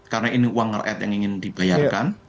karena ini uang ngeret yang ingin dibayarkan